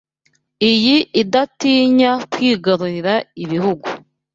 iyi idatinya kwigarurira ibihugu